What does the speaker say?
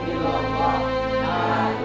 enggak harus risau